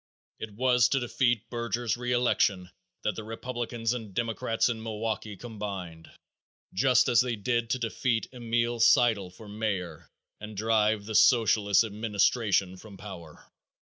It was to defeat Berger's re election that the Republicans and Democrats in Milwaukee combined, just as they did to defeat Emil Seidel for mayor and drive the Socialist administration from power.